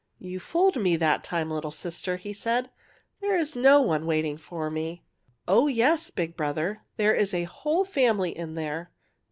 '' You fooled me that time, little sister," he said. '' There is no one waiting for me! "" Oh, yes, big brother, there is a whole fam ily in there.